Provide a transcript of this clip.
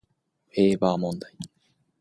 ウェーバー問題